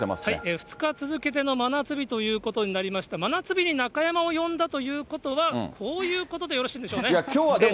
２日続けての真夏日ということになりまして、真夏日に中山を呼んだということは、こういうことでよろしいんでいや、きょうはでも。